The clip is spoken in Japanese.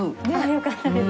よかったです。